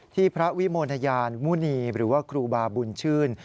พระวิโมทยานมุณีหรือว่าครูบาบุญชื่น